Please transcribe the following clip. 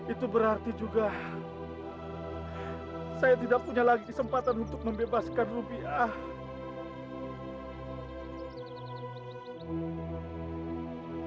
itu berarti juga saya tidak punya lagi kesempatan untuk membebaskan rubiah